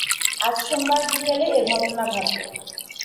আজ সোমবার বিকেলে এ ঘটনা ঘটে।